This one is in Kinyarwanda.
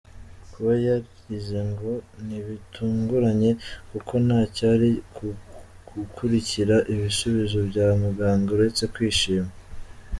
Kuba yarize ngo ntibitunguranye kuko nta cyari gukurikira ibisubizo bya muganga uretse kwishima.